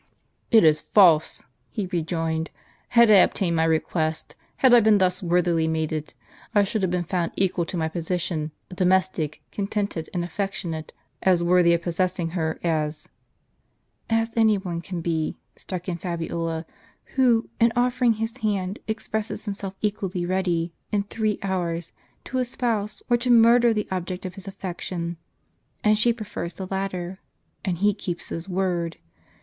"It is false! " he rejoined; "had I obtained my request, had I been thus worthily mated, I should have been found equal to my position, domestic, contented, and affectionate; as worthy of possessing her as " "As any one can be," struck in Fabiola, "who, in offering his hand, expresses himself equally ready, in three hours, to espouse or to murder the object of his affection. And she prefers the latter, and he keeps his word.